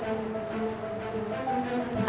atau aku menjamin sebaliknya